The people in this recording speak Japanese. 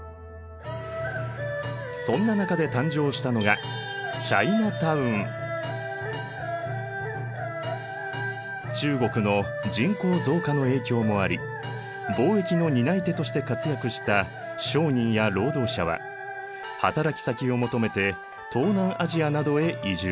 そんな中で誕生したのが中国の人口増加の影響もあり貿易の担い手として活躍した商人や労働者は働き先を求めて東南アジアなどへ移住。